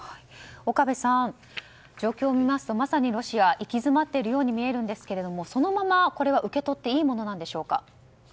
岡部さん、状況を見ますとまさにロシアは行き詰まっているように見えるんですけれどもそのままこれは受け取っていいものなんでしょうか。